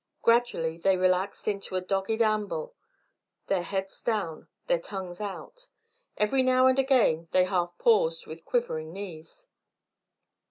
Gradually they relaxed into a dogged amble, their heads down, their tongues out. Every now and again they half paused, with quivering knees.